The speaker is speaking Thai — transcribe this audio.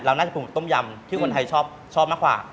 เราน่าจะผสมต้มยำที่คนไทยชอบชอบมากกว่า